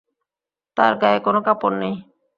তার গায়ে কোনো কাপড় নেই।